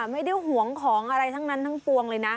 ไม่ได้ถึงห่วงของอะไรทั้งนั้นทั้งปวงเลยนะ